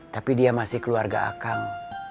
tapi dia masih keluarga akal